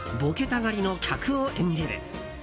たがりの客を演じる。